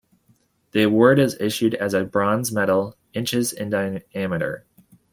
The award is issued as a bronze medal, inches in diameter.